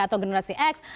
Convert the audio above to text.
atau generasi x